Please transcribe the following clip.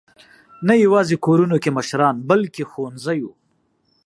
نه یواځې کورونو کې مشران، بلکې ښوونځیو.